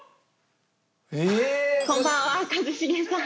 こんばんは一茂さん。